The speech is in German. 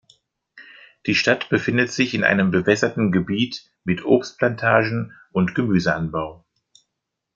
Die Stadt befindet sich in einem bewässerten Gebiet mit Obstplantagen und Gemüseanbau.